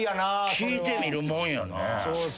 聞いてみるもんやなぁ。